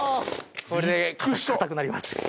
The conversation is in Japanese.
これでかたくなります。